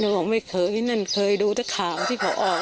บอกไม่เคยนั่นเคยดูแต่ข่าวที่เขาออก